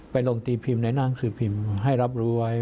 ลงตีพิมพ์ในหน้างสือพิมพ์ให้รับรู้ไว้